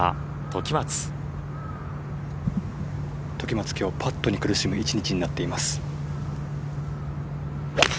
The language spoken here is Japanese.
時松、きょうパットに苦しむ一日になっています。